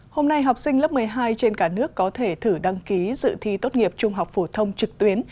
hôm nay học sinh lớp một mươi hai trên cả nước có thể thử đăng ký dự thi tốt nghiệp trung học phổ thông trực tuyến